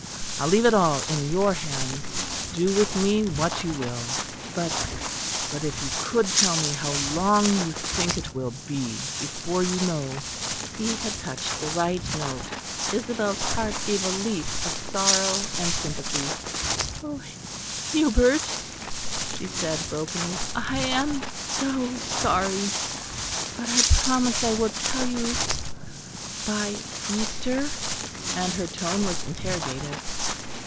I leave it all in your hands. Do with me what you will. But but, if you could tell me how long you think it will be before you know " He had touched the right note. Isabel's heart gave a leap of sorrow and sympathy. "Oh, Hubert," she said brokenly, "I am so sorry; but I promise I will tell you by Easter?" and her tone was interrogative.